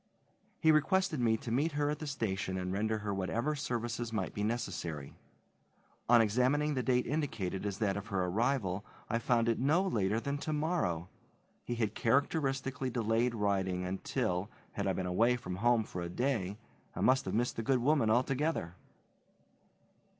He requested me to meet her at the station and render her whatever services might be necessary. On examining the date indicated as that of her arrival I found it no later than tomorrow. He had characteristically delayed writing until, had I been away from home for a day, I must have missed the good woman altogether.